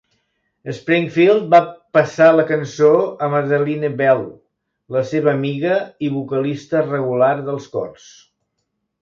Springfield va passar la cançó a Madeline Bell, la seva amiga i vocalista regular dels cors.